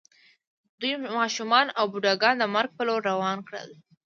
دوی ماشومان او بوډاګان د مرګ په لور روان کړل